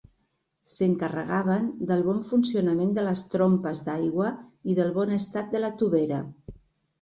S'encarregaven del bon funcionament de les trompes d'aigua i del bon estat de la tovera.